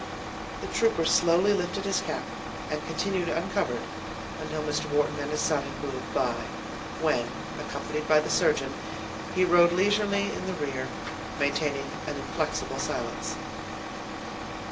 The trooper slowly lifted his cap, and continued uncovered until Mr. Wharton and his son had moved by, when, accompanied by the surgeon, he rode leisurely in the rear, maintaining an inflexible silence.